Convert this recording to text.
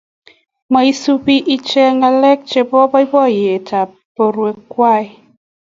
maisupi iche ngalek chebo boiboiyetab borwekwai